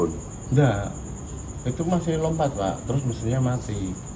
tidak itu masih lompat pak terus mesinnya mati